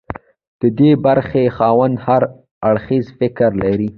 د ډي برخې خاوند هر اړخیز فکر لري.